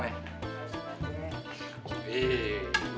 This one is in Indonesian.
udah siap nih tinggal kita makan